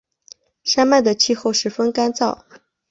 山脉的气候十分干燥。